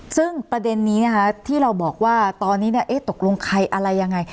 ซึ่งประเด็นนี้นะคะที่เราบอกว่าตอนนี้ตกลงใครอะไรยังไง